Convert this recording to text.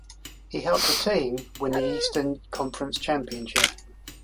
He helped the team win the Eastern Conference championship.